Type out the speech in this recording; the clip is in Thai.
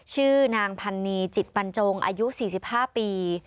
ชื่อนางพันนีจิตบรรจงอายุ๔๕ปี